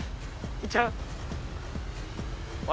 行っちゃう？